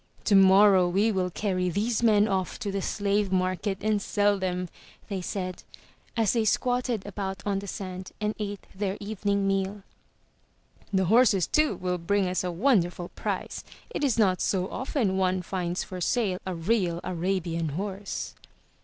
* Tomorrow we will carry these men off to the slave market and sell them,'', they said, as they squatted about on the sand and ate their evening meal. *The horses, too, will bring us a wonderful price. It is not so often one finds for sale a real Arabian horse.'